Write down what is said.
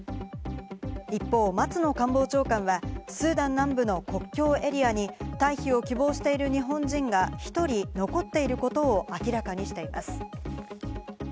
一方、松野官房長官はスーダン南部の国境エリアに退避を希望している日本人が１人残っていることを明らかにしています。